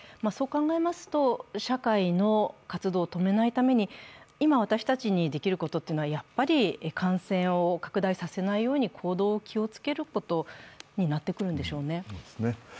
そう考えますと、社会の活動を止めないために今、私たちにできることは、やはり感染を拡大させないように行動を気をつけることになってくるんでしょうね。